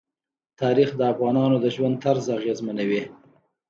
تاریخ د افغانانو د ژوند طرز اغېزمنوي.